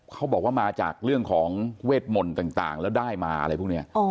เขาบอกว่ามาจากเรื่องของเวทมนต์ต่างแล้วได้มาอะไรพวกนี้